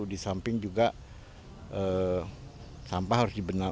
di samping juga sampah harus dibenarkan